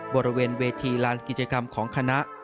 บริเวณเวทีลานกิจกรรมของคณะ